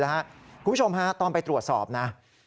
คุณผู้ชมฮะตอนไปตรวจสอบนะ